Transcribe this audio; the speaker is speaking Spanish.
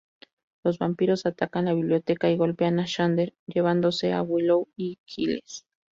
Los vampiros atacan la biblioteca y golpean a Xander, llevándose a Willow y Giles.